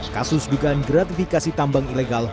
kasus dugaan gratifikasi tambang ilegal